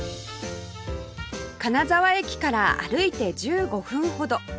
金沢駅から歩いて１５分ほど